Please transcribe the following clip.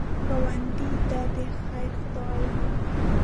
ګاونډي ته د خیر دعا وکړه